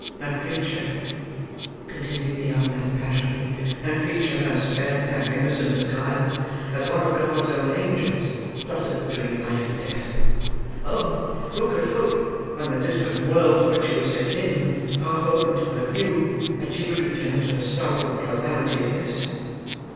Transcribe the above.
"A creature," continued the young man, passionately, "a creature as fair and innocent of guile as one of God's own angels, fluttered between life and death. Oh! who could hope, when the distant world to which she was akin, half opened to her view, that she would return to the sorrow and calamity of this!